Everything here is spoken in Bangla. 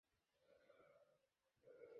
প্রথমে হাস্যমুখে পাড়ার খবর পাড়িলেন।